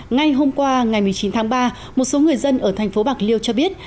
ngay hôm qua ngày một mươi chín tháng ba một số người dân ở thành phố bạc liêu cho biết